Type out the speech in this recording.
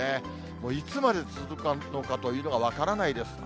もういつまで続くのかというのが分からないです。